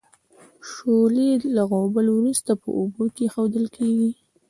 شولې له غوبل وروسته په اوبو کې اېښودل کیږي.